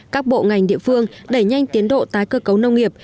các bộ ngành địa phương đẩy nhanh tiến độ tái cơ cấu nông nghiệp